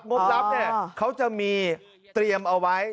งบรับเขาจะมีเตรียมเอาไว้